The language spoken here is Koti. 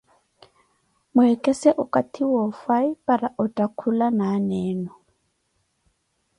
Mweekese okathi woofhayi para ottakhula na aana enu.